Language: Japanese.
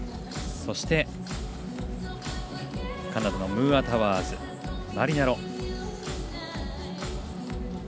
そして、カナダのムーアタワーズマリナロ。